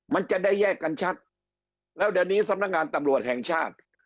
มันจะได้แยกกันชัดแล้วเดี๋ยวนี้สำนักงานตำรวจแห่งชาติ